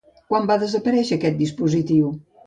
Quan va desaparèixer aquest dispositiu?